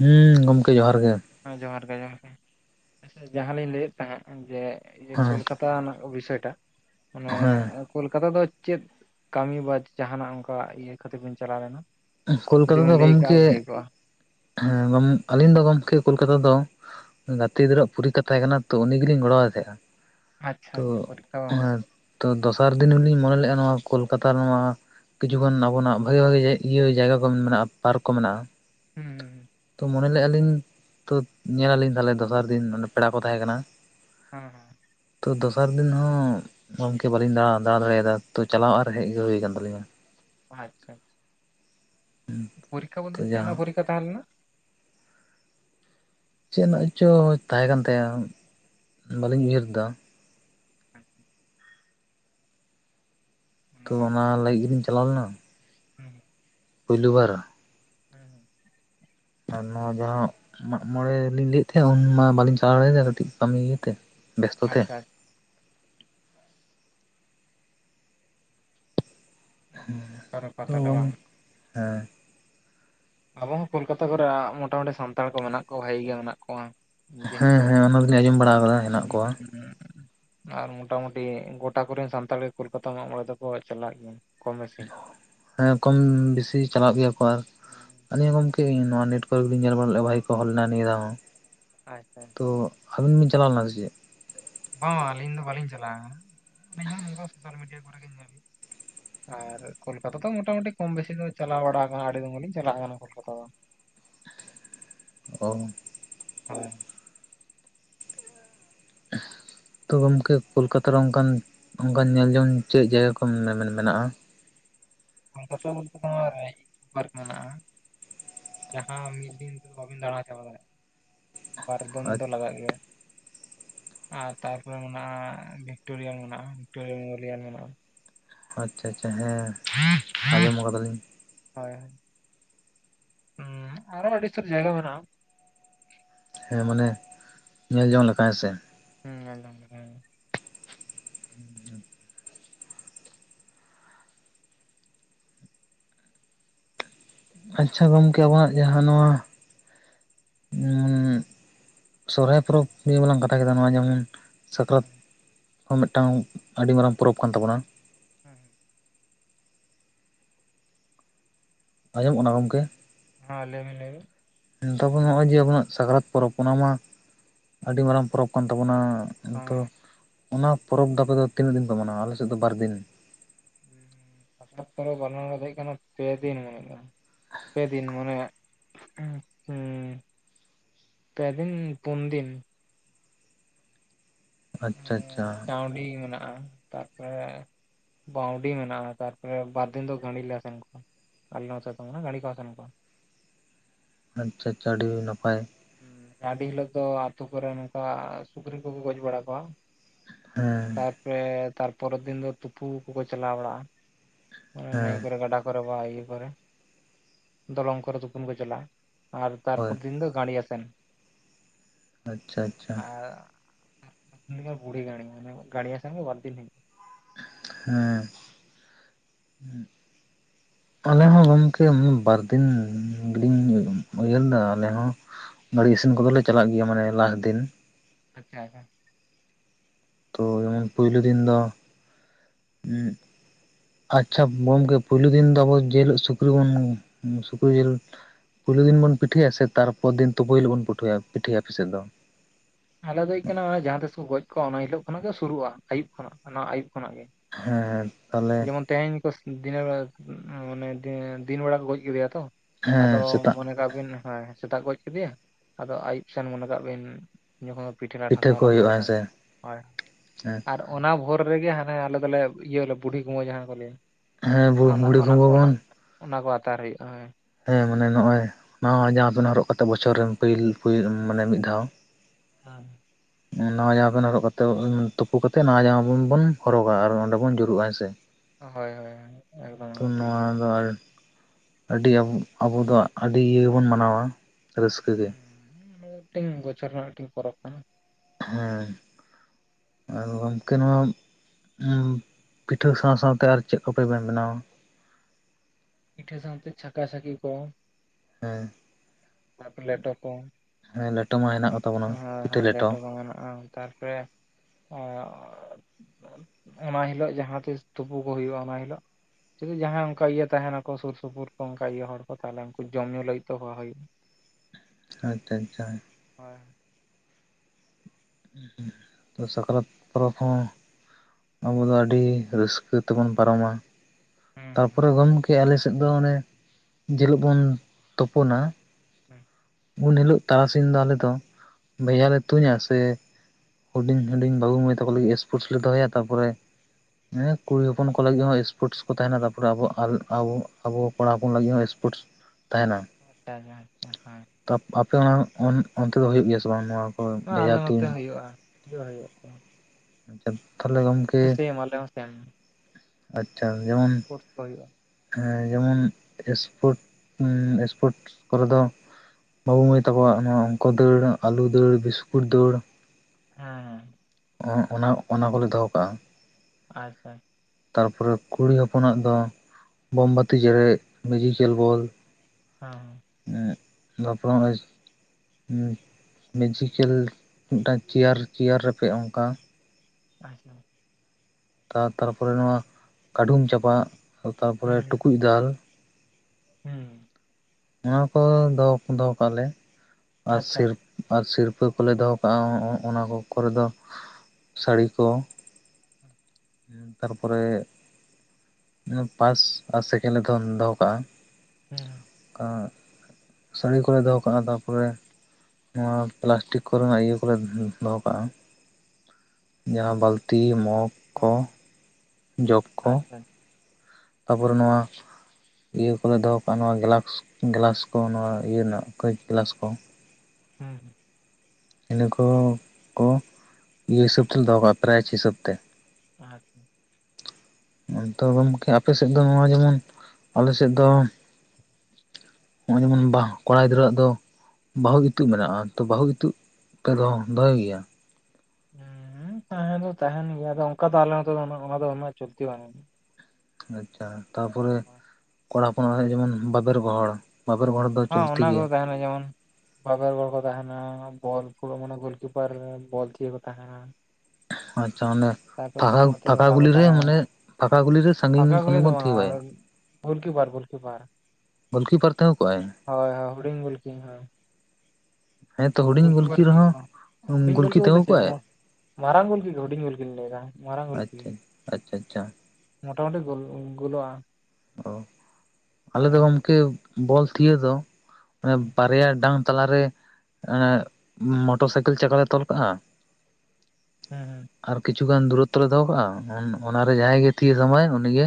ᱦᱩᱸ ᱜᱚᱝᱠᱮ ᱡᱚᱦᱟᱨ ᱜᱮ᱾ ᱦᱮᱸ ᱡᱚᱦᱟᱨ ᱜᱮ, ᱡᱚᱦᱟᱨ ᱜᱮ, ᱟᱪᱪᱷᱟ ᱡᱟᱦᱟᱸ ᱞᱤᱧ ᱞᱟᱹᱭᱮᱫ ᱛᱟᱦᱮᱸᱫ ᱡᱮ ᱤᱭᱟᱹ ᱦᱮᱸ ᱠᱳᱞᱠᱟᱛ ᱱᱟᱜ ᱵᱤᱥᱚᱭ ᱴᱟ ᱢᱟᱱᱮ ᱦᱮᱸ [unintelligible] ᱠᱳᱞᱠᱟᱛᱟ ᱫᱚ ᱪᱮᱫ ᱠᱟᱹᱢᱤ ᱵᱟ ᱡᱟᱸᱦᱟᱱᱟᱜ ᱚᱝᱠᱟ ᱤᱭᱟᱹ ᱠᱷᱟᱹᱛᱤᱨ ᱵᱮᱱ ᱪᱟᱞᱟᱣ ᱞᱮᱱᱟ? ᱡᱩᱫᱤ ᱠᱳᱞᱠᱟᱛᱟ ᱵᱤᱱ ᱫᱚ ᱞᱟᱹᱭ ᱠᱟᱜᱼᱟ ᱜᱚᱝᱠᱮ ᱵᱷᱟᱹᱜᱤ ᱠᱚᱜᱼᱟ ᱦᱮᱸ ᱢᱚᱱ ᱟᱹᱞᱤᱧ ᱫᱚ ᱜᱚᱝᱠᱮ ᱠᱳᱞᱠᱟᱛᱟ ᱫᱚ ᱜᱟᱛᱮ ᱜᱤᱫᱽᱨᱟᱹᱣᱟᱜ ᱯᱚᱨᱤᱠᱠᱷᱟ ᱛᱟᱦᱮᱸ ᱠᱟᱱᱟ ᱛᱚ, ᱩᱱᱤ ᱜᱮᱞᱤᱧ ᱜᱚᱲᱚᱣᱟᱫᱮ ᱛᱟᱸᱦᱮᱜ-ᱟ᱾ ᱟᱪᱪᱷᱟ ᱛᱚ ᱟᱪᱪᱷᱟ ᱯᱚᱨᱤᱠᱠᱷᱟ ᱵᱟᱝ ᱟᱨ ᱛᱚ ᱫᱚᱥᱟᱨ ᱫᱤᱱ ᱦᱚᱸᱞᱤᱧ ᱢᱚᱱᱮ ᱞᱮᱜ-ᱟ ᱱᱚᱣᱟ ᱠᱳᱞᱠᱟᱛᱟ ᱱᱚᱣᱟ ᱠᱤᱪᱷᱩᱜᱟᱱ ᱟᱵᱚᱱᱟᱜ ᱵᱷᱟᱜᱤ ᱵᱷᱟᱜᱤ ᱤᱭᱟᱹ ᱡᱟᱭᱜᱟ ᱠᱚ ᱢᱮᱱᱟᱜ-ᱟ, ᱯᱟᱨᱠ ᱠᱚ ᱢᱮᱱᱟᱜ-ᱟ᱾ ᱦᱩᱸ ᱦᱩᱸ ᱦᱩᱸ ᱢᱚᱱᱮ ᱞᱮᱜ-ᱟ ᱞᱤᱧ ᱛᱚ ᱧᱮᱞᱟᱞᱤᱧ ᱛᱟᱦᱞᱮ ᱫᱚᱥᱟᱨ ᱫᱤᱱ ᱱᱚᱸᱰᱮ ᱯᱮᱲᱟ ᱠᱚ ᱛᱟᱦᱮᱸ ᱠᱟᱱᱟ᱾ ᱦᱮᱸ ᱦᱮᱸ᱾ ᱛᱚ ᱫᱚᱥᱟᱨ ᱫᱤᱱ ᱦᱚᱸ ᱜᱚᱝᱠᱮ ᱵᱟᱹᱞᱤᱧ ᱫᱟᱬᱟ, ᱫᱟᱬᱟ ᱫᱟᱲᱮᱭᱟᱫᱟ, ᱛᱚ ᱪᱟᱞᱟᱣ ᱟᱨ ᱦᱮᱡ ᱜᱮ ᱦᱩᱭ ᱠᱟᱱ ᱛᱟᱞᱤᱧᱟ᱾ ᱟᱪᱪᱷᱟ, ᱟᱪ ᱯᱚᱨᱤᱠᱠᱷᱟ ᱛᱚ ᱵᱚᱞᱛᱮ ᱪᱮᱫ ᱡᱟᱦᱟᱸ ᱨᱮᱱᱟᱜ ᱯᱚᱨᱤᱠᱠᱷᱟ ᱛᱟᱦᱮᱸ ᱞᱮᱱᱟ? ᱪᱮᱫ ᱨᱮᱱᱟᱜ ᱪᱚ ᱛᱟᱦᱮᱸ ᱠᱟᱱ ᱛᱟᱭᱟ ᱵᱟᱹᱞᱤᱧ ᱩᱭᱦᱟᱹᱨᱫᱟ᱾ ᱟᱪᱪᱷᱟ᱾ ᱛᱚ ᱢᱟᱱᱮ ᱦᱩᱸ ᱚᱱᱟ ᱞᱟᱹᱜᱤᱫ ᱜᱮᱞᱤᱧ ᱪᱟᱞᱟᱣ ᱞᱮᱱᱟ᱾ ᱦᱩᱸ᱾ ᱯᱳᱭᱞᱳ ᱵᱟᱨ᱾ ᱦᱩᱸ ᱜᱚᱝᱠᱮ᱾ ᱟᱨ ᱱᱚᱣᱟ ᱡᱟᱦᱟᱸ ᱢᱟᱜᱢᱚᱬᱮ ᱞᱤᱧ ᱞᱟᱹᱭᱮᱫ ᱛᱟᱦᱮᱸᱜ ᱩᱱ ᱢᱟ ᱵᱟᱞᱤᱧ ᱪᱟᱞᱟᱣ ᱫᱟᱲᱮᱭᱟᱫᱟ ᱠᱟᱹᱴᱤᱡ ᱠᱟᱹᱢᱤ ᱤᱭᱟᱹᱛᱮ᱾ ᱵᱮᱥᱛᱚ ᱛᱮ᱾ ᱟᱪᱪᱷᱟ ᱟᱪᱪᱷᱟ ᱦᱩᱸ, ᱚᱱᱠᱟ ᱵᱮᱯᱟᱨ ᱛᱟᱦᱚᱞᱮ ᱵᱟᱝ ᱛᱚ ᱦᱮᱸ᱾ ᱟᱵᱚ ᱦᱚᱸ ᱠᱳᱞᱠᱟᱛᱟ ᱠᱚᱨᱮ ᱢᱚᱴᱟᱢᱩᱴᱤ ᱥᱟᱱᱛᱟᱲ ᱠᱚ ᱢᱮᱱᱟᱜ ᱠᱚᱣᱟ, ᱵᱷᱟᱜᱤ ᱜᱮ ᱢᱮᱱᱟᱜ ᱠᱚᱣᱟ᱾ ᱦᱮᱸ ᱡᱮᱦᱮᱛᱩ ᱦᱮᱸ ᱚᱱᱟ ᱫᱚᱞᱤᱧ ᱟᱸᱡᱚᱢ ᱵᱟᱲᱟᱣ ᱠᱟᱫᱟ ᱦᱮᱱᱟᱜ ᱠᱚᱣᱟ᱾ ᱟᱨ ᱢᱚᱴᱟ ᱢᱩᱴᱤ ᱜᱚᱴᱟ ᱠᱚᱨᱮᱱ ᱥᱟᱱᱛᱟᱲ ᱜᱮ ᱠᱳᱞᱠᱟᱛᱟ ᱢᱟᱜ ᱢᱚᱬᱮ ᱫᱚᱠᱚ ᱪᱟᱞᱟᱜ ᱜᱮᱭᱟ ᱠᱚᱢ ᱵᱤᱥᱤ᱾ ᱦᱮᱸ ᱠᱚᱢ ᱵᱤᱥᱤ ᱪᱟᱞᱟᱜ ᱜᱮᱭᱟ ᱠᱚ ᱟᱨ, ᱟᱹᱞᱤᱧ ᱜᱚᱝᱠᱮ ᱤᱧ ᱱᱚᱣᱟ ᱱᱮᱴ ᱠᱚᱨᱮᱜᱤᱧ ᱧᱮᱞ ᱵᱟᱲᱟ ᱞᱮᱜ-ᱟ ᱵᱷᱟᱹᱜᱤ ᱠᱚ ᱦᱚᱲ ᱞᱮᱱᱟ ᱱᱤᱭᱟᱹ ᱫᱷᱟᱣ ᱦᱚᱸ᱾ ᱟᱪᱪᱷᱟ ᱛᱚ ᱟᱹᱵᱤᱱ ᱵᱤᱱ ᱪᱟᱞᱟᱣ ᱞᱮᱱᱟ ᱥᱮ ᱪᱮᱫ? ᱦᱚᱸ ᱟᱹᱞᱤᱧ ᱫᱚ ᱵᱟᱹᱞᱤᱧ ᱪᱟᱞᱟᱣ ᱠᱟᱱᱟ, ᱟᱹᱞᱤᱧ ᱱᱚᱝᱠᱟ ᱥᱳᱥᱟᱞ ᱢᱤᱰᱤᱭᱟ ᱠᱚᱨᱮ ᱜᱮ ᱧᱮᱞ ᱦᱩᱭᱩᱜ ᱠᱟᱱᱟ᱾ ᱟᱨ ᱠᱳᱞᱠᱟᱛᱟ ᱫᱚ ᱢᱚᱴᱟᱢᱩᱴᱤ ᱠᱚᱢ ᱵᱮᱥᱤ ᱫᱚ ᱪᱟᱞᱟᱣ ᱵᱟᱲᱟᱣ ᱠᱟᱱᱟ, ᱟᱹᱰᱤ ᱫᱤᱱ ᱦᱚᱸ ᱞᱤᱧ ᱪᱟᱞᱟᱣ ᱠᱟᱱᱟ ᱠᱳᱞᱠᱟᱛᱟ ᱫᱚ᱾ ᱚ᱾ ᱦᱳᱭ᱾ ᱛᱚ ᱜᱚᱢᱠᱮ ᱠᱳᱞᱠᱟᱛᱟ ᱨᱮ ᱚᱝᱠᱟᱱ ᱚᱝᱠᱟᱱ ᱧᱮᱞᱡᱚᱝ ᱪᱮᱫ ᱡᱟᱭᱜᱟ ᱠᱚ ᱢᱮᱱ-ᱢᱮᱱᱟᱜ-ᱟ? ᱚᱝᱠᱟ ᱫᱚ ᱜᱚᱝᱠᱮ ᱯᱟᱨᱠ ᱢᱮᱱᱟᱜ-ᱟ᱾ ᱡᱟᱦᱟᱸ ᱢᱤᱫ ᱫᱤᱱ ᱛᱮᱫᱚ ᱵᱟᱹᱵᱤᱱ ᱫᱟᱬᱟ ᱪᱟᱵᱟ ᱫᱟᱲᱮᱜ-ᱟ, ᱵᱟᱨᱫᱤᱱ ᱫᱚ ᱞᱟᱜᱟᱜ ᱜᱮᱭᱟ᱾ ᱟᱨ ᱛᱟᱨᱯᱚᱨᱮ ᱢᱮᱱᱟᱜ-ᱟ ᱵᱷᱮᱠᱴᱳᱨᱤᱭᱟ ᱢᱮᱱᱟᱜ-ᱟ, ᱵᱷᱤᱠᱴᱳᱨᱤᱭᱟ ᱢᱮᱢᱳᱨᱤᱭᱟᱞ ᱢᱮᱱᱟᱜ-ᱟ᱾ ᱟᱪᱪᱷᱟ ᱟᱪᱪᱷᱟ ᱦᱮᱸ ᱟᱸᱡᱚᱢ ᱠᱟᱫᱟᱞᱤᱧ᱾ ᱦᱳᱭ, ᱦᱩᱸ ᱟᱨᱚ ᱟᱹᱰᱤ ᱥᱩᱨ ᱡᱟᱭᱜᱟ ᱢᱮᱱᱟᱜ-ᱟ᱾ ᱦᱮᱸ ᱢᱟᱱᱮ ᱧᱮᱞ ᱡᱚᱝ ᱞᱮᱠᱟ ᱦᱮᱸ ᱥᱮ᱾ ᱦᱩᱸ ᱧᱮᱞ ᱢᱚᱝ ᱞᱮᱠᱟ ᱜᱮ᱾ ᱟᱪᱪᱷᱟ ᱜᱚᱝᱠᱮ ᱟᱵᱚᱱᱟᱜ ᱡᱟᱦᱟᱸ ᱱᱚᱣᱟ ᱩᱸᱻᱜ, ᱥᱚᱨᱚᱦᱟᱭ ᱯᱚᱨᱚᱵᱽ ᱱᱤᱭᱟᱹ ᱢᱟᱞᱟᱝ ᱠᱟᱛᱷᱟ ᱠᱮᱫᱟ ᱱᱚᱣᱟ ᱡᱮᱢᱚᱱ ᱥᱟᱠᱨᱟᱛ ᱦᱩᱸ ᱦᱚᱸ ᱢᱤᱫᱴᱟᱝ ᱟᱹᱰᱤ ᱢᱟᱨᱟᱝ ᱯᱚᱨᱚᱵᱽ ᱠᱟᱱ ᱛᱟᱵᱚᱱᱟ᱾ ᱦᱩᱸ ᱦᱩᱸ᱾ ᱟᱸᱡᱚᱢᱚᱜ ᱠᱟᱱᱟ ᱜᱚᱝᱠᱮ? ᱢᱟ ᱞᱟᱹᱭᱵᱤᱱ ᱞᱟᱹᱭᱵᱤᱱ ᱾ ᱦᱩᱸ ᱛᱚᱵᱮ ᱱᱚᱜᱼᱚᱭ ᱡᱮ ᱟᱵᱚᱱᱟᱜ ᱥᱟᱠᱨᱟᱛ ᱯᱚᱨᱚᱵᱽ ᱚᱱᱟ ᱢᱟ ᱟᱰᱤ ᱢᱟᱨᱟᱝ ᱯᱚᱨᱚᱵᱽ ᱠᱟᱱ ᱛᱟᱵᱚᱱᱟ ᱾ ᱮᱱ ᱛᱚ, ᱦᱮᱸ ᱚᱱᱟ ᱯᱚᱨᱚᱵᱽ ᱫᱚ ᱟᱯᱮ ᱫᱚ ᱛᱤᱱ ᱫᱤᱱ ᱯᱮ ᱢᱟᱱᱟᱣᱟ? ᱟᱞᱮ ᱥᱮᱫ ᱫᱚ ᱵᱟᱨ ᱫᱤᱱ᱾ ᱥᱟᱠᱨᱟᱛ ᱯᱚᱨᱚᱵᱽ [inaudible] ᱦᱩᱭᱩᱜ ᱠᱟᱱᱟ ᱯᱮ ᱫᱤᱱ [inaudible] ᱯᱮ ᱫᱤᱱ ᱢᱟᱱᱮ ᱦᱟᱸᱜ [inaudible] ᱦᱩᱸ ᱾ ᱯᱮ ᱫᱤᱱ, ᱯᱩᱱ ᱫᱤᱱ ᱟᱪᱪᱷᱟ ᱟᱪ ᱪᱟᱶᱰᱤ ᱢᱮᱱᱟᱜᱼᱟ ᱛᱟᱨᱯᱚᱨᱮ ᱵᱟᱶᱰᱤ ᱢᱮᱱᱟᱜᱼᱟ ᱛᱟᱨᱯᱚᱨᱮ ᱵᱟᱨ ᱫᱤᱱ ᱫᱚ ᱜᱟᱺᱲᱤ ᱞᱮ ᱟᱥᱮᱱ ᱠᱚᱣᱟ᱾ ᱟᱞ ᱱᱚᱣᱟ ᱥᱟᱭᱤᱵᱥ ᱫᱚ ᱢᱟᱱᱮ ᱜᱟᱺᱲᱤ ᱠᱚ ᱟᱥᱮᱱ ᱠᱚᱣᱟ ᱾ ᱟᱪᱪᱷᱟ ᱟᱪᱪᱷᱟ ᱟᱹᱰᱤ ᱱᱟᱯᱟᱭ᱾ ᱦᱩᱸ ᱪᱟᱶᱰᱤ ᱦᱤᱞᱚᱜ ᱫᱚ ᱟᱛᱳ ᱠᱚᱨᱮ ᱱᱚᱝᱠᱟ ᱥᱩᱠᱨᱤ ᱠᱚᱠᱚ ᱜᱚᱡ ᱵᱟᱲᱟ ᱠᱚᱣᱟ ᱾ ᱦᱮᱸ᱾ ᱯᱮ ᱛᱟᱨᱯᱚᱨᱮᱨ ᱫᱤᱱ ᱫᱚ ᱛᱩᱯᱩ ᱠᱚᱠᱚ ᱪᱟᱞᱟᱣ ᱵᱟᱲᱟᱜᱼᱟ, ᱱᱟᱹᱭ ᱦᱮᱸ ᱠᱚᱨᱮ ᱜᱟᱰᱟ ᱠᱚᱨᱮ ᱵᱟ ᱤᱭᱟᱹ ᱠᱚᱨᱮ, ᱫᱚᱞᱚᱝ ᱠᱚᱨᱮ ᱛᱩᱯᱩᱱ ᱠᱚ ᱪᱟᱞᱟᱜᱼᱟ᱾ ᱟᱨ ᱦᱳᱭ ᱛᱟᱨᱯᱚᱨ ᱫᱤᱱ ᱫᱚ ᱜᱟᱺᱲᱤ ᱟᱥᱮᱱ, ᱟᱪᱪᱷᱟ ᱟᱪᱪᱷᱟ ᱟᱨ ᱛᱟᱨᱯᱚᱨᱮᱨ ᱫᱤᱱ ᱫᱚ ᱵᱩᱰᱷᱤ ᱜᱟᱺᱲᱤ ᱢᱟᱱᱮ ᱜᱟᱺᱲᱤ ᱟᱥᱮᱱ ᱜᱮ ᱵᱟᱨ ᱫᱤᱱ ᱦᱩᱭᱩᱜᱼᱟ ᱾ ᱦᱮᱸ ᱾ ᱟᱞᱮ ᱦᱚᱸ ᱜᱚᱝᱠᱮ ᱢᱤᱛ ᱵᱟᱨ ᱫᱤᱱ ᱜᱮᱞᱤᱧ [inaudible] ᱩᱦᱟᱹᱨ ᱮᱫᱟ ᱟᱞᱮ ᱦᱚᱸ ᱜᱟᱺᱲᱤ ᱤᱥᱤᱱ ᱠᱚᱫᱚᱞᱮ ᱪᱟᱞᱟᱜ ᱜᱮᱭᱟ ᱢᱟᱱᱮ ᱞᱟᱥ ᱫᱤᱱ᱾ ᱟᱪᱪᱷᱟ ᱟᱪᱪᱷᱟ᱾ ᱛᱚ ᱡᱮᱢᱚᱱ ᱯᱩᱭᱞᱳ ᱫᱤᱱ ᱫᱚ ᱩᱸ ᱟᱪᱪᱷᱟ ᱜᱚᱝᱠᱮ ᱯᱩᱭᱞᱳ ᱫᱤᱱ ᱫᱚ ᱟᱵᱚ ᱡᱮ ᱦᱤᱞᱚᱜ ᱥᱩᱠᱨᱤ ᱵᱚᱱ, ᱥᱩᱠᱨᱤ ᱡᱤᱞ ᱯᱩᱭᱞᱩ ᱫᱤᱱ ᱵᱚᱱ ᱯᱤᱴᱷᱟᱹᱭᱟ ᱥᱮ ᱛᱟᱨᱯᱚᱨ ᱫᱤᱱ ᱛᱩᱯᱩ ᱦᱤᱞᱚᱜ ᱵᱚᱱ ᱯᱩᱴᱷᱟᱹᱭᱟ, ᱯᱤᱴᱷᱟᱹᱭᱟ ᱟᱯ ᱥᱮᱫ ᱫᱚ? ᱟᱞᱮ ᱫᱚ ᱦᱩᱭᱩᱜ ᱠᱟᱱᱟ ᱚᱱᱟ ᱡᱟᱦᱟᱸ ᱛᱤᱥ ᱠᱚ ᱜᱚᱡ ᱠᱚᱜᱼᱟ ᱚᱱᱟ ᱦᱤᱞᱚᱜ ᱠᱷᱚᱱᱟᱜ ᱜᱮ ᱥᱩᱨᱩᱜᱼᱟ, ᱟᱭᱩᱵ ᱠᱷᱚᱱᱟᱜ ᱚᱱᱟ ᱟᱭᱩᱵ ᱠᱷᱚᱱᱟᱜ ᱜᱮ᱾ ᱦᱮᱸ ᱛᱟᱦᱚᱞᱮ ᱡᱮᱢᱚᱱ ᱛᱮᱦᱮᱧ ᱠᱚ [inaudible] ᱢᱟᱱᱮ ᱫᱤᱱ ᱵᱮᱲᱟ ᱠᱚ ᱜᱚᱡ ᱠᱮᱫᱮᱭᱟ ᱛᱚ, ᱦᱮᱸ ᱟᱫᱚ ᱥᱮᱛᱟᱜ ᱢᱚᱱᱮ ᱠᱟᱜ ᱵᱤᱱ ᱦᱮᱸ ᱥᱮᱛᱟᱜ ᱜᱚᱡ ᱠᱮᱫᱮᱭᱟ, ᱟᱫᱚ ᱟᱭᱩᱵ ᱥᱮᱱ ᱢᱚᱱᱮ ᱠᱟᱜ ᱵᱤᱱ ᱡᱚᱠᱷᱚᱱ ᱯᱤᱴᱷᱟᱹ ᱞᱟᱴᱷᱟ ᱠᱚ ᱟᱨᱟᱢᱵᱚᱭ ᱦᱩᱭᱩᱜᱼᱟ ᱦᱮᱸ ᱮᱱᱟ ᱥᱮ ᱦᱳᱭ, ᱟᱨ ᱚᱱᱟ ᱵᱷᱳᱨ ᱨᱮᱜᱮ ᱦᱟᱱᱮ ᱟᱞᱮ ᱫᱚᱞᱮ ᱤᱭᱟᱹᱞᱮ ᱵᱩᱰᱷᱤ ᱜᱩᱢᱟᱹ ᱡᱟᱦᱟᱸ ᱠᱚ ᱞᱟᱹᱭᱟ, ᱦᱮᱸ ᱚᱱᱟ ᱵᱩᱲᱦᱤ ᱚᱱᱟ ᱠᱩᱢᱵᱟᱹ ᱚᱱᱟ, ᱵᱚᱱ ᱚᱱᱟ ᱠᱚ ᱟᱛᱟᱨ ᱦᱩᱭᱩᱜᱼᱟ ᱦᱮᱸ᱾ ᱦᱮᱸ ᱢᱟᱱᱮ ᱱᱚᱜᱼᱚᱭ, ᱱᱟᱣᱟ ᱡᱟᱢᱟ ᱯᱮᱱ ᱦᱚᱨᱚᱜ ᱠᱟᱛᱮᱜ ᱵᱚᱪᱷᱚᱨ ᱨᱮᱱ [inaudible] ᱢᱟᱱᱮ ᱢᱤᱫ ᱫᱷᱟᱣ, ᱦᱮᱸ᱾ ᱱᱟᱣᱟ ᱡᱟᱢᱟ ᱯᱮᱱ ᱦᱚᱨᱚᱜ ᱠᱟᱛᱮᱫ, ᱛᱩᱯᱩ ᱠᱟᱛᱮᱫ ᱱᱟᱣᱟ ᱡᱟᱢᱟ ᱯᱮᱱ ᱵᱚᱱ ᱦᱚᱨᱚᱜᱟ ᱟᱨ ᱚᱸᱰᱮ ᱵᱚᱱ ᱡᱩᱨᱩᱜᱼᱟ ᱦᱮᱸ ᱥᱮ᱾ ᱦᱳᱭ ᱦᱳᱭ ᱦᱳᱭ, ᱛᱚ ᱮᱠᱫᱚᱢ ᱴᱷᱤᱠ ᱵᱤᱱ ᱱᱚᱣᱟ [inaudible] ᱫᱚ [unintelligible] ᱟᱵᱚ ᱫᱚ ᱟᱹᱰᱤ ᱤᱭᱟᱹ ᱜᱮᱵᱚᱱ ᱢᱟᱱᱟᱣᱟ, ᱨᱟᱹᱥᱠᱟᱹ ᱜᱮ᱾ ᱴᱟᱹᱝ ᱵᱚᱪᱷᱚᱨ ᱨᱮᱱᱟᱜ ᱢᱤᱫᱴᱟᱝ ᱯᱚᱨᱚᱵᱽ ᱠᱟᱱᱟ᱾ ᱦᱮᱸ, ᱟᱫᱚ ᱜᱚᱝᱠᱮ ᱱᱚᱣᱟ ᱯᱤᱴᱷᱟᱹ ᱥᱟᱶ ᱥᱟᱶᱛᱮ ᱟᱨ ᱪᱮᱫ ᱠᱚᱯᱮ ᱵᱮᱱᱟᱣᱟ? ᱯᱤᱴᱷᱟᱹ ᱥᱟᱶᱛᱮ ᱪᱷᱟᱠᱟ ᱪᱷᱟᱠᱤ ᱠᱚ, ᱦᱮᱸ᱾ ᱛᱟᱨᱯᱚᱨ ᱞᱮᱴᱚ ᱠᱚ, ᱦᱮᱸ ᱞᱮᱴᱚ ᱢᱟ ᱦᱮᱱᱟᱜ ᱠᱚ ᱛᱟᱵᱚᱱᱟ ᱦᱚᱭ ᱯᱤᱴᱷᱟᱹ ᱦᱚᱭ ᱞᱮᱴᱚ ᱠᱚ ᱢᱮᱱᱟᱜᱼᱟ᱾ ᱛᱟᱨᱯᱚᱨᱮ [unintelligible] ᱚᱱᱟ ᱦᱤᱞᱳᱜ ᱡᱟᱦᱟᱸ ᱛᱤᱥ ᱛᱩᱯᱩ ᱠᱚ ᱦᱩᱭᱩᱜᱼᱟ ᱚᱱᱟ ᱦᱤᱞᱳᱜ᱾ ᱡᱩᱫᱤ ᱡᱟᱦᱟᱸᱭ ᱚᱱᱠᱟ ᱤᱭᱟᱹ ᱛᱟᱦᱮᱱᱟ ᱥᱩᱨ ᱥᱩᱯᱩᱨ ᱠᱚ ᱚᱱᱠᱟ ᱤᱭᱟᱹ ᱦᱚᱲ ᱠᱚ ᱛᱟᱦᱚᱞᱮ, ᱩᱱᱠᱩ ᱡᱚᱢ ᱧᱩ ᱞᱟᱹᱜᱤᱫ ᱛᱮ ᱦᱚᱦᱚ ᱦᱩᱭᱩᱜᱼᱟ ᱾ ᱟᱪᱪᱷᱟ ᱟᱪᱪᱷᱟ ᱾ ᱦᱳᱭ ᱾ ᱥᱟᱠᱨᱟᱛ ᱯᱚᱨᱚᱵᱽ ᱦᱚᱸ ᱟᱵᱚ ᱫᱚ ᱟᱹᱰᱤ ᱨᱟᱹᱥᱠᱟᱹ ᱛᱮᱵᱚᱱ ᱯᱟᱨᱚᱢᱟ ᱾ ᱦᱩᱸ ᱦᱩᱸ ᱛᱟᱨᱯᱚᱨᱮ ᱜᱚᱢᱠᱮ, ᱟᱞᱮ ᱥᱮᱫ ᱫᱚ ᱚᱱᱮ ᱡᱮᱦᱤᱞᱳᱜ ᱵᱚᱱ ᱛᱩᱯᱩᱱᱟ ᱦᱮᱸ ᱾ ᱩᱱ ᱦᱤᱞᱳᱹᱜ ᱛᱟᱨᱟᱥᱤᱧ ᱫᱚ ᱟᱞᱮ ᱫᱚ ᱵᱮᱡᱷᱟ ᱞᱮ ᱛᱩᱧᱟ ᱥᱮ ᱦᱩᱰᱤᱧ ᱦᱩᱰᱤᱧ ᱵᱟᱹᱵᱩ ᱢᱟᱹᱭ ᱛᱟᱠᱚ ᱞᱟᱹᱜᱤᱫ, ᱥᱯᱳᱨᱴᱥ ᱞᱮ ᱫᱚᱦᱚᱭᱟ ᱾ ᱛᱟᱯᱚᱨᱮ ᱦᱮᱸ ᱠᱩᱲᱤ ᱦᱚᱯᱚᱱ ᱠᱚ ᱞᱟᱹᱜᱤᱫ ᱦᱚᱸ ᱥᱯᱳᱨᱴᱥ ᱠᱚ ᱛᱟᱦᱮᱱᱟ᱾ ᱛᱟᱯᱚᱨᱮ ᱟᱵᱚ ᱟᱵᱚ ᱟᱵᱚ ᱠᱚᱲᱟ ᱦᱚᱯᱚᱱ ᱞᱟᱹᱜᱤᱫ ᱦᱚᱸ, ᱥᱯᱳᱨᱴᱥ ᱛᱟᱦᱮᱱᱟ ᱾ ᱟᱪᱪᱷᱟ [unintelligible] ᱟᱷᱟᱮᱸ ᱛᱟ ᱟᱯᱮ ᱚᱱᱟ ᱚᱱᱛᱮ ᱫᱚ, ᱦᱳᱭᱳᱜ ᱜᱮᱭᱟ ᱥᱮ ᱵᱟᱝ ᱱᱚᱣᱟ? ᱠᱚ ᱵᱷᱮᱡᱟ ᱟᱞᱮ ᱱᱚᱛᱮ ᱛᱩᱧ ᱦᱩᱭᱩᱜᱼᱟ, ᱦᱩᱭᱩᱜ ᱦᱩᱭᱩᱜᱼ ᱟ ᱾ ᱟᱪᱪᱷᱟ [unintelligible] ᱛᱟᱦᱚᱞᱮ ᱜᱚᱢᱠᱮ ᱥᱮᱢ, ᱟᱞᱮ ᱦᱚ ᱥᱮᱢ ᱾ ᱟᱪᱪᱷᱟ, ᱡᱮᱢᱚᱱ ᱥᱯᱳᱨᱴᱥ ᱠᱚ ᱦᱩᱭᱩᱜᱼᱟ ᱾ ᱦᱮ ᱡᱮᱢᱚᱱ ᱥᱯᱳᱨᱴ ᱥᱯᱳᱨᱴ ᱠᱚᱨᱮ ᱫᱚ ᱵᱟᱹᱵᱩ ᱢᱟᱹᱭ ᱛᱟᱠᱚᱣᱟ, ᱚᱝᱠᱚ ᱫᱟᱹᱲ ᱟᱞᱩ ᱫᱟᱹᱲ ᱵᱤᱥᱠᱩᱴ ᱫᱟᱹᱲ᱾ ᱦᱮᱸᱦᱮᱸ ᱾ ᱚᱱᱟ ᱚᱱᱟ ᱠᱚᱞᱮ ᱫᱚᱦᱚ ᱠᱟᱜᱼᱟ ᱾ ᱟᱪᱪᱷᱟ ᱾ ᱛᱟᱨᱯᱚᱨᱮ ᱠᱩᱲᱤ ᱦᱚᱯᱚᱱᱟᱜ ᱫᱚ, ᱵᱳᱢᱵᱟᱹᱛᱤ ᱡᱮᱨᱮᱫ ᱢᱮᱡᱤᱠᱮᱞ ᱵᱚᱞ ᱾ ᱦᱮᱸ ᱾ ᱵᱟᱯᱞᱚᱢ [unintelligible] ᱤᱡ ᱢᱮᱡᱤᱠᱮᱞ ᱢᱤᱫᱴᱟᱝ ᱪᱮᱭᱟᱨ ᱪᱮᱭᱟᱨ ᱨᱮᱯᱮ ᱚᱱᱠᱟ ᱾ ᱟᱪᱷᱟ [unintelligible] ᱛᱟᱨᱯᱚᱨᱮ ᱱᱚᱣᱟ ᱠᱟᱹᱰᱩᱢ ᱪᱟᱯᱟᱫ, ᱛᱟᱯᱚᱨᱮ ᱴᱩᱠᱩᱡ ᱫᱟᱞ ᱾ ᱦᱮᱸ᱾ ᱚᱱᱟ ᱠᱚ ᱫᱚᱦᱚ ᱫᱚᱦᱚ ᱠᱟᱜ ᱟᱞᱮ ᱟᱨ ᱟᱪᱪᱷᱟ ᱥᱤᱨᱯᱟᱹ ᱟᱨ ᱥᱤᱨᱯᱟᱹ ᱠᱚᱞᱮ ᱫᱚᱦᱚ ᱠᱟᱜᱼᱟ, ᱚᱱᱟ ᱠᱚ ᱠᱚᱨᱮᱫᱚ ᱥᱟᱹᱲᱤ ᱠᱚ ᱾ ᱦᱩᱸ ᱛᱟᱨᱯᱚᱨᱮ᱾ ᱯᱟᱥ ᱟᱨ ᱥᱮᱠᱮᱱ ᱞᱮ ᱫᱚ ᱫᱚᱦᱚ ᱠᱟᱜᱼᱟ᱾ ᱦᱩᱸ ᱦᱩᱸ᱾ ᱟᱨ ᱥᱟᱹᱲᱤ ᱠᱚᱞᱮ ᱫᱚᱦᱚ ᱠᱟᱜᱼᱟ᱾ ᱛᱟᱨᱯᱚᱨᱮ ᱱᱚᱣᱟ ᱯᱮᱞᱟᱥᱴᱤᱠ ᱠᱚᱨᱮᱱᱟᱜ ᱤᱭᱟᱹ ᱠᱚᱞᱮ ᱫᱚᱦᱚ ᱠᱟᱜᱼᱟ ᱾ ᱡᱟᱦᱟᱸ ᱵᱟᱞᱛᱤ ᱢᱚᱜᱽ ᱠᱚ ᱦᱮᱸ ᱡᱚᱜᱽ ᱠᱚ ᱾ ᱟᱪᱪᱷᱟ ᱛᱟᱨᱯᱚᱨᱮ ᱱᱚᱣᱟ ᱤᱭᱟᱹ ᱠᱚᱞᱮ ᱫᱚᱦᱚ ᱠᱟᱜᱼᱟ, ᱱᱚᱣᱟ ᱜᱮᱞᱟᱥ ᱜᱮᱞᱟᱥ ᱠᱚ ᱱᱚᱣᱟ ᱤᱭᱟᱹ ᱨᱮᱱᱟᱜ ᱠᱟᱹᱪ ᱜᱮᱞᱟᱥ ᱠᱚ ᱾ ᱦᱩᱸ᱾ ᱤᱱᱟᱹ ᱠᱚ ᱠᱚ ᱤᱭᱟᱹ ᱦᱤᱥᱟᱹᱵᱽ ᱛᱮᱞᱮ ᱫᱚᱦᱚ ᱠᱟᱜᱼᱟ, ᱯᱨᱟᱭᱤᱡᱽ ᱦᱤᱥᱟᱹᱵᱽ ᱛᱮ᱾ ᱟᱪ [unintelligible] ᱟ᱾ ᱚᱱᱛᱚ ᱜᱚᱝᱠᱮ ᱟᱯᱮ ᱥᱮᱫ ᱫᱚ, ᱱᱚᱜᱼᱚ ᱡᱮᱢᱚᱱ ᱟᱞᱮ ᱥᱮᱫ ᱫᱚᱼᱼ ᱱᱚᱜᱼᱚᱭ ᱡᱮᱢᱚᱱ ᱵᱟᱦ ᱠᱚᱲᱟ ᱜᱤᱫᱽᱨᱟᱹᱣᱟᱜ ᱫᱚᱼᱼ ᱵᱟᱹᱦᱩ ᱜᱤᱛᱩᱜ ᱢᱮᱱᱟᱜᱼᱟ, ᱛᱚ ᱵᱟᱹᱦᱩ ᱜᱤᱛᱩᱜ ᱯᱮ ᱫᱚᱦᱚ, ᱫᱚᱦᱚᱭ ᱜᱮᱭᱟ? ᱦᱮᱸᱻ ᱛᱟᱦᱮᱸ ᱫᱚ ᱛᱟᱦᱮᱸᱱ ᱜᱮᱭᱟ, ᱟᱫᱚ ᱚᱱᱠᱟ ᱫᱚ ᱟᱞᱮ ᱱᱚᱛᱮ ᱫᱚ ᱩᱱᱟᱹᱜ ᱚᱱᱟ ᱫᱚ ᱩᱱᱟᱹᱜ ᱪᱚᱞᱛᱤ ᱫᱚ ᱵᱟᱹᱱᱩᱜ᱾ ᱟᱪᱪᱷᱟ ᱛᱟᱯᱚᱨᱮ ᱦᱚᱸ ᱠᱚᱲᱟ ᱦᱚᱯᱚᱱᱮ ᱦᱮᱡ ᱮᱱᱟ, ᱡᱮᱢᱚᱱ ᱵᱟᱵᱮᱨ ᱜᱚᱦᱚᱲ ᱵᱟᱵᱮᱨ ᱜᱚᱦᱚᱲ ᱫᱚᱼᱼ ᱦᱚᱸ ᱚᱱᱟ ᱠᱚᱫᱚ ᱛᱟᱦᱮᱸᱱᱟ ᱡᱮᱢᱚᱱᱼᱼ ᱵᱟᱵᱮᱨ ᱦᱚᱦᱚᱲ ᱠᱚ ᱛᱟᱦᱮᱸᱱᱟ, ᱵᱚᱞ ᱯᱩᱨᱟᱹ ᱢᱟᱱᱮ ᱜᱚᱞᱠᱤᱯᱟᱨ ᱵᱚᱞ ᱛᱷᱟᱹᱭᱟᱹ ᱠᱚ ᱛᱟᱦᱮᱸᱱᱟ᱾ ᱟᱪᱪᱷᱟ ᱚᱱᱮᱼᱼ ᱯᱷᱟᱠᱟ, ᱢᱳᱢᱵᱟᱛᱤ ᱯᱷᱟᱠᱟ ᱫᱷᱚᱨᱟᱣ ᱠᱚ ᱜᱩᱞᱤᱨᱮ ᱛᱟᱦᱮᱱᱟ ᱢᱟᱱᱮ ᱯᱷᱟᱠᱟ ᱜᱩᱞᱤᱨᱮ ᱥᱟᱺᱜᱤᱧ ᱠᱷᱚᱱ ᱵᱚᱱ ᱛᱷᱤᱭᱟᱹᱣᱟᱭᱟ᱾ ᱜᱚᱞᱠᱤᱯᱟᱨᱼᱜᱚᱞᱠᱤᱯᱟᱨ᱾ ᱜᱚᱞᱠᱤᱯᱟᱨ ᱛᱮᱸᱜᱚ ᱠᱚᱜᱼᱟᱭ᱾ ᱦᱚᱭ ᱦᱚᱭ, ᱦᱩᱰᱤᱧ ᱜᱩᱞᱠᱤ ᱦᱚᱭ ᱾ ᱦᱮᱸᱛᱚ ᱦᱩᱰᱤᱧ ᱜᱩᱞᱠᱤ ᱜᱚᱞᱠᱤᱯᱟᱨᱮ ᱛᱤᱸᱜᱩ ᱨᱮᱦᱚᱸ ᱠᱚᱜ-ᱟ, ᱦᱩᱰᱤᱧ ᱜᱩᱞᱠᱤ ᱜᱚᱞᱠᱤᱯᱟᱨ ᱛᱤᱸᱜᱩ ᱫᱚ ᱪᱮᱜ ᱠᱚᱜᱼᱟᱭ ᱮᱢᱚᱼᱼ ᱢᱟᱨᱟᱝ ᱜᱩᱞᱠᱤ ᱜᱮ, ᱦᱩᱰᱤᱧ ᱜᱩᱞᱠᱤᱧ ᱫᱚ ᱪᱮᱜ ᱞᱮᱠᱟ? ᱢᱟᱨᱟᱝ ᱜᱩᱞᱠᱤ᱾ ᱟᱪᱼᱪᱷᱟ ᱟᱪᱪᱷᱟ᱾ ᱢᱚᱴᱟ ᱢᱩᱴᱤ ᱜᱩᱞ ᱜᱩᱞᱩᱜᱼᱟ᱾ ᱚ ᱟᱞᱮ ᱫᱚ ᱜᱚᱝᱠᱮ ᱵᱚᱞ ᱛᱷᱤᱭᱟᱹ ᱫᱚ ᱢᱟᱱᱮ ᱦᱩᱸ ᱵᱟᱨᱭᱟ ᱰᱟᱝᱼᱼ ᱛᱟᱞᱟᱨᱮ ᱮᱸ ᱢᱚᱴᱚᱨ ᱥᱟᱭᱠᱮᱞ ᱪᱟᱠᱟ ᱞᱮ ᱛᱚᱞ ᱠᱟᱜᱼᱟ᱾ ᱦᱩᱸ ᱦᱩᱸ᱾ ᱟᱨ ᱠᱤᱪᱷᱩ ᱜᱟᱱ ᱫᱩᱨᱚᱛᱛᱚ ᱨᱮ ᱫᱚᱦᱚ ᱠᱟᱜᱼᱟ ᱚᱱ ᱚᱱᱟᱨᱮ ᱡᱟᱦᱟᱸᱭ ᱜᱮ ᱛᱷᱤᱭᱟᱹ ᱥᱟᱢᱵᱟᱣᱟᱭ ᱩᱱᱤᱜᱮᱼᱼ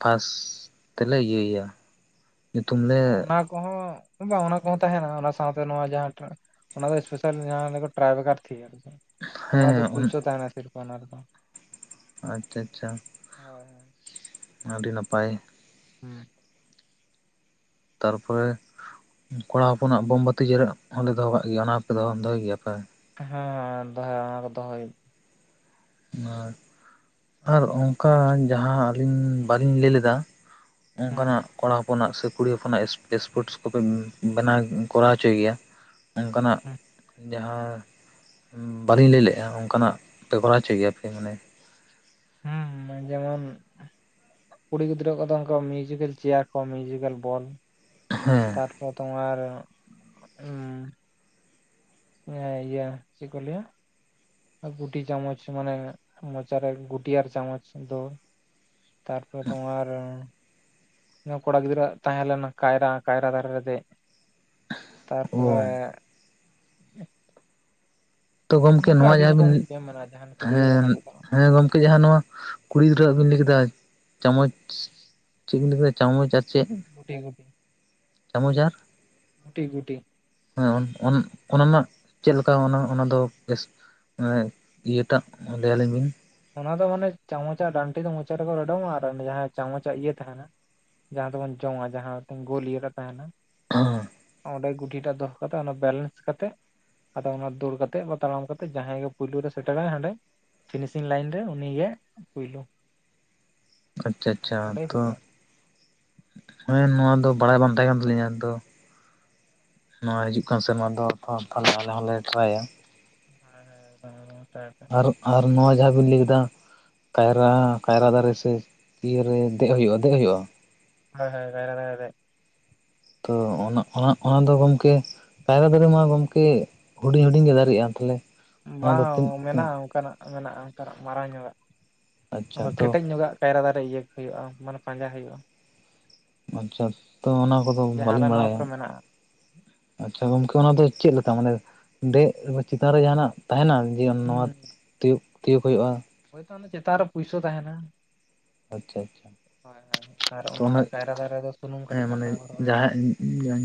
ᱯᱷᱟᱥ ᱛᱮᱞᱮ ᱤᱭᱟᱹᱭᱮᱭᱟ᱾ ᱧᱩᱛᱩᱢ ᱞᱮ ᱦᱚᱸ ᱚᱱᱟ ᱠᱚᱦᱚᱸ ᱵᱟᱝ ᱚᱱᱟ ᱠᱚᱦᱚᱸ ᱛᱟᱦᱮᱸᱱᱟ, ᱚᱱᱟ ᱥᱟᱶᱛᱮ ᱱᱚᱣᱟ ᱡᱟᱦᱟᱸ ᱴᱟᱜᱼᱼ ᱚᱱᱟ ᱫᱚ ᱮᱥᱯᱮᱥᱟᱞ ᱡᱟᱦᱟᱸ ᱴᱨᱟᱭᱵᱮᱠᱟᱨ ᱛᱷᱤᱭᱟᱹ ᱟᱨᱼᱼ ᱚᱱᱟ ᱦᱮᱸ ᱫᱚ ᱦᱮᱸ ᱯᱩᱭᱥᱟᱹ ᱛᱟᱦᱮᱸᱱᱟ ᱥᱤᱨᱯᱷᱟᱹ ᱚᱱᱟ ᱨᱮ ᱫᱚ᱾ ᱟᱪᱼᱪᱷᱟ ᱟᱪᱪᱷᱟ, ᱟᱹᱰᱤ ᱱᱟᱯᱟᱭ᱾ ᱦᱩᱸ ᱾ ᱛᱟᱨᱯᱚᱨᱮ ᱠᱚᱲᱟ ᱦᱚᱯᱚᱱᱟᱜ ᱵᱚᱢᱼᱵᱟᱹᱛᱤ ᱡᱮᱨᱮᱫ ᱦᱚᱸ ᱞᱮ ᱫᱚᱦᱚ ᱠᱟᱜ ᱜᱮᱭᱟ᱾ ᱚᱱᱟ ᱦᱚᱸ ᱯᱮ ᱫᱚᱦᱚ ᱫᱚᱦᱚᱭ ᱜᱮᱭᱟ ᱯᱮ? ᱦᱮᱸ ᱫᱚᱦᱚ, ᱚᱱᱟ ᱠᱚ ᱫᱚᱦᱚᱭᱼᱼ ᱟᱨ, ᱟᱨ ᱚᱱᱠᱟ ᱡᱟᱦᱟᱸ ᱟᱹᱞᱤᱧ ᱵᱟᱹᱞᱤᱧ ᱞᱟᱹᱭ ᱞᱮᱫᱟ᱾ ᱦᱩᱸ ᱚᱱᱠᱟᱱᱟᱜ ᱠᱚᱲᱟ ᱦᱚᱯᱚᱱᱟᱜ ᱥᱮ ᱠᱩᱲᱤ ᱦᱚᱯᱚᱱᱟᱜ ᱮᱥ ᱮᱥᱯᱚᱴᱥ ᱠᱚᱯᱮ ᱵᱮᱱᱟᱣ ᱠᱚᱨᱟᱣ ᱦᱚᱪᱚᱭ ᱜᱮᱭᱟ? ᱚᱱᱠᱟᱱᱟᱜ ᱦᱩᱸ ᱡᱟᱦᱟᱸ ᱵᱟᱹᱞᱤᱧ ᱞᱟᱹᱭ ᱞᱮᱜᱼᱟ, ᱚᱱᱠᱟᱱᱟᱜ ᱯᱮ ᱠᱚᱨᱟᱣᱼᱼ ᱦᱚᱪᱚᱭ ᱜᱮᱭᱟᱯᱮ ᱢᱟᱱᱮ? ᱦᱩᱸ ᱦᱩᱸ ᱡᱮᱢᱚᱱᱼᱼ ᱠᱩᱲᱤ ᱜᱤᱫᱽᱨᱟᱹ ᱠᱚ ᱫᱚ ᱚᱱᱠᱟ ᱢᱤᱭᱩᱡᱤᱠᱮᱞ ᱪᱮᱭᱟᱨ ᱠᱚ ᱢᱤᱭᱩᱡᱤᱠᱮᱞ ᱵᱚᱞᱼᱼ ᱦᱮᱸᱻ᱾ [unintelligible] ᱛᱚ ᱟᱨ ᱩᱸᱻᱼᱼ ᱟᱱᱟᱹ ᱤᱭᱟᱹ ᱪᱮᱜ ᱠᱚ ᱞᱟᱹᱭᱟ? ᱜᱩᱴᱤ ᱪᱟᱢᱚᱪ ᱢᱟᱱᱮ ᱢᱚᱪᱟᱨᱮ ᱜᱩᱴ ᱟᱨ ᱪᱟᱢᱚᱪ ᱫᱚᱼᱼ ᱛᱟᱨᱯᱚᱨ ᱛᱚ ᱟᱨ? ᱤᱱᱟᱹ ᱠᱚᱲᱟ ᱜᱤᱫᱽᱨᱟᱹ ᱦᱟᱜ ᱛᱟᱦᱮᱸ ᱞᱮᱱᱟ ᱠᱟᱭᱨᱟ, ᱠᱟᱭᱨᱟ ᱫᱟᱨᱮ ᱨᱮ ᱫᱮᱜ᱾ ᱛᱟᱨᱯᱚᱨᱮ ᱚ ᱛᱚ ᱜᱚᱝᱠᱮ ᱱᱚᱝᱠᱟ ᱱᱚᱣᱟ ᱟᱹᱰᱤ ᱡᱟᱦᱟᱸ ᱨᱚᱠᱚᱢ ᱵᱤᱱ, ᱜᱮ ᱜᱮᱢ ᱢᱮᱱᱟᱜᱼᱟ ᱡᱟᱦᱟᱸ ᱱᱤᱛᱚᱜ ᱩᱭᱦᱟᱹᱨ ᱵᱟᱝ ᱦᱮᱸ ᱦᱤᱡᱩᱜ ᱠᱟᱱᱟ ᱦᱮᱸ ᱜᱚᱝᱠᱮ ᱡᱟᱦᱟᱸ ᱱᱚᱣᱟᱼᱼ ᱠᱩᱲᱤ ᱜᱤᱫᱽᱨᱟᱹᱣᱟᱜ ᱵᱤᱱ ᱞᱟᱹᱭ ᱠᱮᱫᱟ ᱪᱟᱢᱚᱪ, ᱪᱮᱜ ᱵᱤᱱ ᱞᱟᱹᱭ ᱠᱮᱫᱟ ᱪᱟᱢᱚᱪ ᱟᱨ ᱪᱮᱜ? ᱜᱩᱴᱤ ᱜᱩᱴᱤ ᱾ ᱪᱟᱢᱚᱪ ᱟᱨᱼᱼ ᱜᱩᱴᱤ ᱜᱩᱴᱤ ᱾ ᱦᱮᱸ, ᱚᱱ ᱚᱱᱟ ᱢᱟ ᱪᱮᱫᱞᱮᱠᱟ ᱚᱱᱟ ᱚᱱᱟ ᱫᱚ ᱵᱮᱥ ᱮᱸ ᱤᱭᱟᱹᱴᱟᱜ ᱞᱟᱹᱭᱟᱹᱞᱤᱧ ᱵᱤᱱ ᱾ ᱚᱱᱟ ᱫᱚ ᱢᱟᱱᱮ ᱪᱟᱢᱚᱪ ᱟᱨ ᱰᱟᱱᱴᱤ ᱫᱚ ᱢᱚᱪᱟ ᱨᱮᱠᱚ ᱨᱚᱰᱚᱢᱚᱜᱼᱟ ᱟᱨ ᱡᱟᱦᱟᱸᱭ ᱪᱟᱢᱚᱪ ᱟᱨ ᱤᱭᱟᱹ ᱛᱟᱦᱮᱱᱟ ᱾ ᱡᱟᱦᱟᱸ ᱫᱚᱵᱚᱱ ᱡᱚᱝᱟ ᱡᱟᱦᱟᱸᱛᱮ ᱜᱳᱞ ᱤᱭᱟᱨᱟ ᱛᱟᱦᱮᱱᱟ ᱾ [inaudible] ᱚᱸᱰᱮ ᱜᱩᱴᱤᱴᱟᱜ ᱫᱚᱦᱚ ᱠᱟᱛᱮ ᱚᱱᱟ ᱵᱮᱞᱮᱱᱥ ᱠᱟᱛᱮ ᱟᱫᱚ ᱚᱱᱟ ᱫᱟᱹᱲ ᱠᱟᱛᱮ ᱠᱚ ᱛᱟᱲᱟᱢ ᱠᱟᱛᱮ ᱡᱟᱦᱟᱸᱭ ᱜᱮ ᱯᱩᱭᱞᱳ ᱨᱮ ᱥᱮᱴᱮᱨᱟᱭ ᱦᱟᱸᱰᱮ᱾ ᱤᱱ ᱞᱟᱹᱭᱤᱱ ᱨᱮ ᱩᱱᱤ ᱜᱮ ᱯᱳᱭᱞᱩ ᱾ ᱟᱪᱪᱷᱟ ᱟᱪᱪᱷᱟ, ᱛᱚ ᱦᱩᱭᱩᱜᱼᱟ ᱦᱮᱸ, ᱱᱚᱣᱟ ᱫᱚ ᱵᱟᱲᱟᱭ ᱵᱟᱝ ᱛᱟᱦᱮᱸ ᱠᱟᱱ ᱛᱟᱹᱞᱤᱧᱟ ᱛᱚ ᱾ ᱱᱚᱣᱟ ᱦᱤᱡᱩᱜ ᱠᱟᱱ ᱥᱮᱨᱢᱟ ᱫᱚ ᱛᱚ ᱛᱟᱦᱞᱮ ᱟᱞᱮ ᱦᱚᱸᱞᱮ ᱴᱨᱟᱭᱟ ᱾ ᱦᱮᱸ ᱦᱮᱸ ᱛᱚᱵᱮ [unintelligible] ᱯᱮ ᱾ ᱟᱨ ᱟᱨ ᱱᱚᱣᱟ ᱡᱟᱦᱟᱸ ᱵᱤᱱ ᱞᱟᱹᱭ ᱠᱮᱫᱟ ᱾ ᱠᱟᱭᱨᱟ ᱠᱟᱭᱨᱟ ᱫᱟᱨᱮ ᱥᱮ ᱤᱭᱟᱹ ᱨᱮ ᱫᱮᱡ ᱦᱩᱭᱩᱜᱼᱟ ᱫᱮᱡ ᱦᱩᱭᱩᱜᱼᱟ ᱾ ᱦᱳᱭ ᱦᱳᱭ, ᱠᱟᱭᱨᱟ ᱫᱟᱨᱮ ᱨᱮ ᱾ ᱛᱚ ᱚᱱᱟ ᱚᱱᱟ ᱫᱚ ᱜᱚᱝᱠᱮ᱾ ᱠᱟᱭᱨᱟ ᱫᱟᱨᱮ ᱢᱟ ᱜᱚᱝᱠᱮ ᱦᱩᱰᱤᱧ ᱦᱩᱰᱤᱧ ᱜᱮ ᱫᱟᱨᱮᱜᱼᱟ, ᱛᱟᱦᱚᱞᱮ᱾ ᱚᱱᱟ ᱫᱚ ᱵᱟᱝ ᱛᱤᱱ ᱢᱮᱱᱟᱜᱼᱟ, ᱚᱱᱠᱟ ᱱᱟᱜ ᱢᱮᱱᱟᱜᱼᱟ ᱚᱱᱠᱟ ᱱᱟᱜ ᱢᱟᱨᱟᱝ ᱧᱚᱜᱟᱜ ᱟᱪᱪᱷᱟ ᱱᱚᱠᱟ ᱛᱚ ᱠᱮᱴᱮᱡ ᱧᱚᱜᱟᱜ᱾ ᱠᱟᱭᱨᱟ ᱫᱟᱨᱮ ᱤᱭᱟᱹ ᱦᱩᱭᱩᱜᱼᱟ ᱢᱟᱱᱮ ᱯᱟᱸᱡᱟ ᱦᱩᱭᱩᱜᱼᱟ ᱾ ᱟᱪᱪᱷᱟ, ᱛᱚ ᱚᱱᱟ ᱠᱚᱫᱚ ᱡᱮ ᱦᱟᱱᱟ ᱵᱟᱹᱞᱤᱧ ᱱᱚᱣᱟ ᱵᱟᱲᱟᱭᱟ ᱠᱚᱨᱮ ᱢᱮᱱᱟᱜᱼᱟ ᱾ ᱟᱪᱪᱷᱟ ᱜᱚᱝᱠᱮ, ᱚᱱᱟ ᱫᱚ ᱪᱮᱫ ᱞᱮᱠᱟ ᱢᱟᱱᱮ ᱫᱮᱡ ᱪᱮᱛᱟᱱ ᱨᱮ ᱡᱟᱦᱟᱸᱱᱟᱜ ᱛᱟᱦᱮᱱᱟ? ᱡᱮ ᱱᱚᱣᱟ ᱦᱩᱸ ᱛᱤᱭᱳᱜ ᱛᱤᱭᱳᱜ ᱦᱩᱭᱩᱜᱼᱟ ᱾ ᱦᱳᱭᱛᱚ ᱚᱱᱮ ᱪᱮᱛᱟᱱ ᱨᱮ ᱯᱩᱭᱥᱟ ᱛᱟᱦᱮᱱᱟ ᱾ ᱟᱪᱪᱷᱟ ᱟᱪᱪᱷᱟ ᱦᱳᱭ ᱦᱳᱭ, ᱟᱨ ᱚᱱᱟ ᱠᱟᱭᱨᱟ ᱫᱟᱨᱮ ᱫᱚ ᱥᱩᱱᱩᱢ ᱦᱮᱸ ᱠᱟᱹᱴᱤᱡ ᱢᱟᱱᱮ ᱢᱟᱠᱷᱟ ᱦᱩᱭᱩᱜᱼᱟ ᱾ ᱡᱟᱦᱟᱸᱭ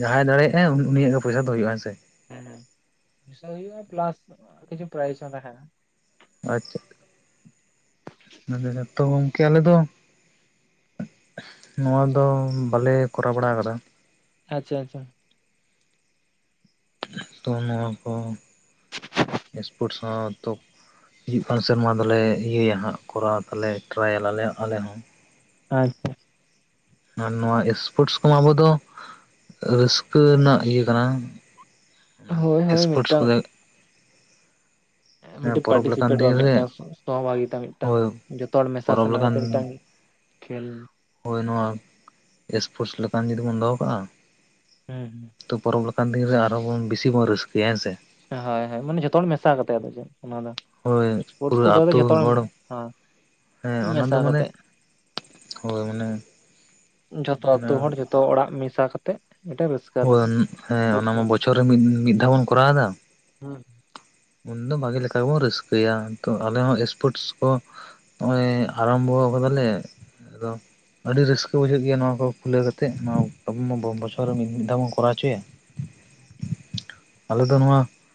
ᱡᱟᱦᱟᱸᱭ ᱫᱟᱲᱮᱭᱟᱜᱼᱟᱭ ᱩᱱᱤᱭᱟᱜ ᱜᱮ ᱯᱚᱭᱥᱟᱹ ᱫᱚ ᱦᱩᱭᱩᱜᱼᱟ ᱾ ᱦᱮᱸᱥᱮ? ᱦᱮᱸ ᱾ ᱯᱩᱭᱥᱟᱹ ᱦᱩᱭᱩᱜᱼᱟ ᱯᱞᱟᱥ ᱠᱤᱪᱷᱩ ᱯᱨᱟᱭᱤᱥ ᱦᱚᱸ ᱛᱟᱦᱮᱱᱟ ᱾ ᱟᱪᱪᱷᱟ ᱾ [unintelligible] ᱡᱚᱛᱚ ᱜᱚᱝᱠᱮ ᱟᱞᱮ ᱫᱚ ᱱᱚᱣᱟ ᱫᱚ ᱵᱟᱞᱮ ᱠᱚᱨᱟᱣ ᱵᱟᱲᱟ ᱟᱠᱟᱫᱟ ᱾ ᱟᱪᱪᱷᱟ ᱟᱪᱪᱷᱟ ᱾ ᱛᱚ ᱱᱚᱣᱟ ᱠᱚ ᱮᱥᱯᱳᱨᱴᱥ ᱥᱟᱶ ᱛᱚ ᱦᱤᱡᱩᱜ ᱠᱟᱱ ᱥᱮᱨᱢᱟ ᱫᱚᱞᱮ ᱤᱭᱟᱹᱭᱟ ᱦᱟᱸᱜ ᱠᱚᱨᱟᱣ ᱛᱟᱞᱮ ᱴᱨᱟᱭᱟᱞᱮ ᱟᱞᱮ ᱦᱚᱸ ᱾ ᱟᱪᱪᱷᱟ ᱾ ᱟᱨ ᱱᱚᱣᱟ ᱮᱥᱯᱳᱨᱴᱥ ᱠᱚᱢᱟ ᱟᱵᱚ ᱫᱚ ᱨᱟᱹᱥᱠᱟᱹ ᱨᱮᱱᱟᱜ ᱤᱭᱟᱹ ᱠᱟᱱᱟ ᱦᱳᱭ [unintelligible] ᱦᱳᱭ ᱮᱥᱯᱳᱨᱴᱥ ᱢᱤᱫᱴᱟᱝ ᱠᱚᱫᱚ ᱢᱤᱫᱴᱟᱝ ᱯᱚᱨᱚᱵᱽ ᱞᱮᱠᱟᱱ ᱯᱟᱨᱴᱤᱥᱤᱯᱮᱴᱚᱜᱼᱟ ᱫᱤᱱ ᱨᱮ ᱢᱤᱫᱴᱟᱝ ᱥᱚᱦᱚᱵᱟᱜᱤᱛᱟ ᱢᱤᱫᱴᱟᱝ ᱦᱳᱭ ᱾ ᱡᱚᱛᱚ ᱦᱚᱲ ᱢᱮᱥᱟ ᱯᱚᱨᱚᱵᱽ ᱥᱟᱱᱟ ᱞᱮᱠᱟᱱ ᱠᱟᱛᱮ ᱢᱤᱫᱴᱟᱝ ᱠᱷᱮᱞ᱾ ᱦᱳᱭ, ᱱᱚᱣᱟ ᱮᱥᱯᱳᱨᱴᱥ ᱞᱮᱠᱟᱱ ᱡᱩᱫᱤ ᱵᱚᱱ ᱫᱚᱦᱚ ᱠᱟᱜᱼᱟ ᱾ ᱦᱩᱸ ᱦᱩᱸ ᱾ ᱛᱚ ᱯᱚᱨᱚᱵᱽ ᱞᱮᱠᱟᱱ ᱫᱤᱱ ᱨᱮ ᱟᱨᱦᱚᱸ ᱵᱚᱱ ᱵᱮᱥᱤ ᱵᱚᱱ ᱨᱟᱹᱥᱠᱟᱹᱭᱟ ᱾ ᱦᱮᱸ ᱥᱮ? ᱦᱳᱭ ᱦᱳᱭ, ᱢᱟᱱᱮ ᱡᱷᱚᱛᱚ ᱦᱚᱲ ᱢᱮᱥᱟ ᱠᱟᱛᱮ ᱟᱫᱚ ᱪᱮᱫ ᱚᱱᱟ ᱫᱚ ᱦᱳᱭ ᱾ ᱮᱥᱯᱳᱨᱴᱥ ᱯᱩᱨᱟᱹ ᱠᱚᱫᱚ ᱟᱹᱛᱩ ᱡᱚᱛᱚ ᱦᱚᱲ ᱦᱮᱸ ᱦᱮᱸ ᱚᱱᱟ ᱢᱮᱥᱟ ᱫᱚ ᱢᱟᱱᱮ ᱠᱟᱛᱮ ᱾ ᱦᱳᱭ ᱢᱟᱱᱮ ᱛᱚ ᱡᱚᱛᱚ ᱦᱚᱲ ᱡᱚᱛᱚ ᱚᱲᱟᱜ ᱢᱮᱥᱟ ᱠᱟᱛᱮ ᱢᱤᱫᱴᱟᱱ ᱨᱟᱹᱥᱠ ᱾ ᱦᱳᱭ, ᱦᱮᱸ ᱾ ᱚᱱᱟ ᱢᱟ ᱵᱚᱪᱷᱚᱨ ᱨᱮ ᱢᱤᱫ ᱫᱷᱟᱣ ᱵᱚᱱ ᱠᱚᱨᱟᱣ ᱫᱟ ᱾ ᱦᱩᱸ ᱾ ᱩᱱ ᱫᱚ ᱵᱷᱟᱜᱮ ᱞᱮᱠᱟᱵᱚᱱ ᱨᱟᱹᱥᱠᱟᱹᱭᱟ ᱛᱚ ᱟᱞᱮ ᱦᱚᱸ ᱥᱯᱳᱨᱴᱥ ᱠᱚᱼᱼ ᱱᱚᱜᱚᱭ ᱟᱨᱟᱢᱵᱷᱚ ᱠᱟᱫᱟᱞᱮ ᱟᱫᱚᱼᱼ ᱟᱹᱰᱤ ᱨᱟᱹᱥᱠᱟᱹ ᱵᱩᱡᱷᱟᱹᱜ ᱜᱮᱭᱟ ᱱᱚᱣᱟ ᱠᱚ ᱠᱷᱩᱞᱟᱹᱣ ᱠᱟᱛᱮᱫ ᱱᱚᱣᱟ ᱟᱵ ᱵᱚᱪᱷᱚᱨ ᱨᱮ ᱢᱤᱫ ᱫᱷᱟᱣ ᱵᱚᱱ ᱠᱚᱨᱟᱣ ᱦᱚᱪᱚᱭᱟ᱾ ᱦᱮᱸ [unintelligible] ᱟᱞᱮ ᱫᱚ ᱱᱚᱣᱟᱼᱼ